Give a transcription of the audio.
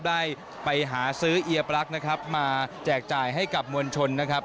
ได้ไปหาซื้อเอียปลั๊กนะครับมาแจกจ่ายให้กับมวลชนนะครับ